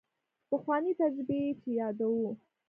پخوانۍ تجربې چې یادوو.